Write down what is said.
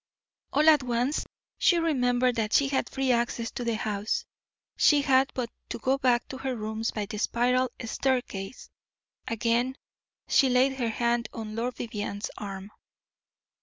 All at once she remembered that she had free access to the house, she had but to go back to her rooms by the spiral staircase. Again she laid her hand on Lord Vivianne's arm.